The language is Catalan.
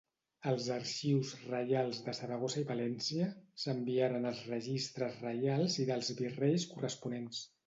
Als arxius reials de Saragossa i València, s'enviaren els registres reials i dels virreis corresponents.